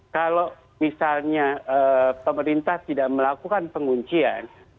kalau misalnya pemerintah tidak melakukan penguncian